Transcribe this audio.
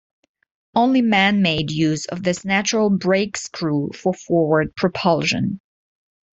Only man made use of this natural brake-screw for forward propulsion.